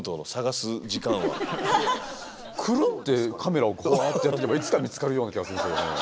クルンってカメラをこうやってやってればいつかは見つかるような気がすんですけどね。